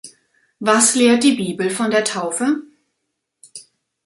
Was lehrt die Bibel von der Taufe?